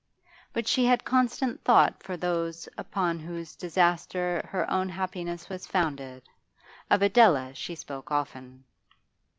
But she had constant thought for those upon whose disaster her own happiness was founded; of Adela she spoke often.